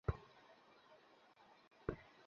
এটা তোমার জানার দরকার নেই।